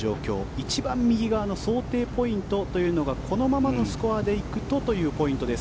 一番右側の想定ポイントというのがこのままのスコアで行くとというポイントです。